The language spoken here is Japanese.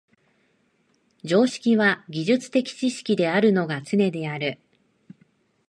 常識は技術的知識であるのがつねである。